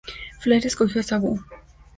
Flair escogió a Sabu.